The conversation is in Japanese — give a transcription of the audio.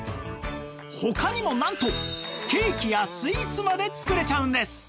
他にもなんとケーキやスイーツまで作れちゃうんです！